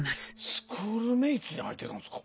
スクールメイツに入ってたんですか？